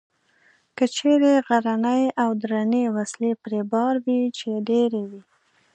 کچرې غرنۍ او درنې وسلې پرې بار وې، چې ډېرې وې.